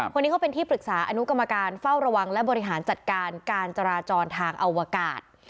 คนนี้เขาเป็นที่ปรึกษาอนุกรรมการเฝ้าระวังและบริหารจัดการการจราจรทางอวกาศ